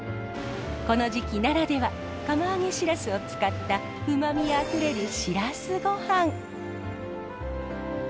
この時期ならでは釜揚げシラスを使ったうまみあふれるシラスごはん。